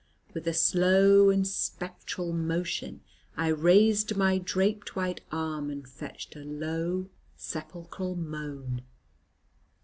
With a slow and spectral motion, I raised my draped white arm, and fetched a low, sepulchral moan.